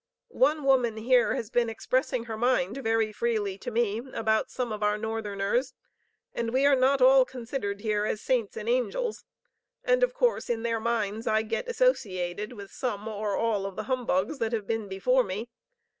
One woman here has been expressing her mind very freely to me about some of our Northerners, and we are not all considered here as saints and angels, and of course in their minds I get associated with some or all the humbugs that have been before me.